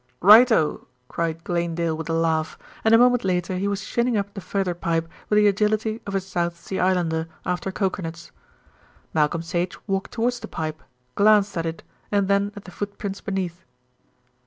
"Right o," cried Glanedale with a laugh, and a moment later he was shinning up the further pipe with the agility of a South Sea islander after coker nuts. Malcolm Sage walked towards the pipe, glanced at it, and then at the footprints beneath.